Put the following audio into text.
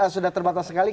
sudah terbatas sekali